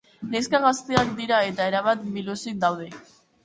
Neska gazteak dira eta erabat biluzik daude.